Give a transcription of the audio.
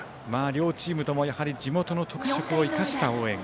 両チームとも地元の特色を生かした応援。